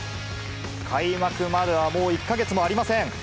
開幕までは、もう１か月もありません。